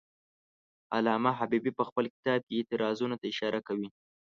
علامه حبیبي په خپل کتاب کې اعتراضونو ته اشاره کوي.